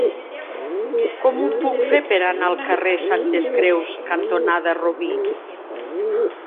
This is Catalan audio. Com ho puc fer per anar al carrer Santes Creus cantonada Robí?